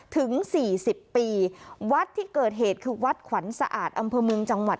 ถึงสี่สิบปีวัดที่เกิดเหตุคือวัดขวัญสะอาดอำเภอเมืองจังหวัด